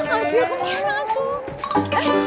acil kemana acil